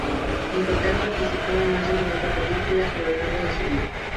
En total participó en más de noventa películas a lo largo de su vida.